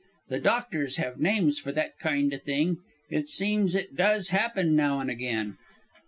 _ The doctors have names for that kind o' thing. It seems it does happen now and again.